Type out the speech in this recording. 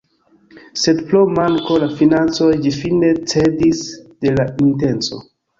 Sed pro manko de financoj ĝi fine cedis de la intenco.